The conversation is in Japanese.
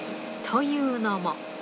というのも。